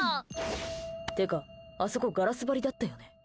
てか、あそこガラス張りだったよね？